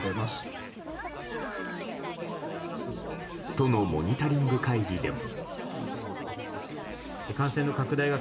都のモニタリング会議でも。